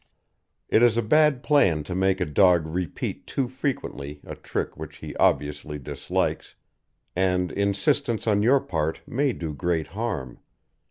It is a bad plan to make a dog repeat too frequently a trick which he obviously dislikes, and insistence on your part may do great harm.